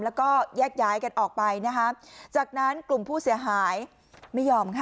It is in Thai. แล้วก็แยกย้ายกันออกไปนะคะจากนั้นกลุ่มผู้เสียหายไม่ยอมค่ะ